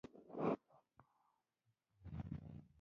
د دواړو په پوهه او اراده کې هېڅ توپیر نه و.